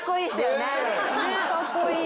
ねえかっこいい。